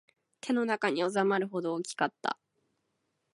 手の中に収まるほどの大きさだった